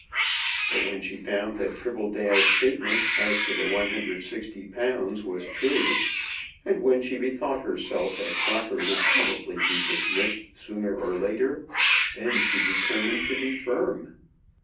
But when she found that Tribbledale's statement as to the £160 was true, and when she bethought herself that Crocker would probably be dismissed sooner or later, then she determined to be firm.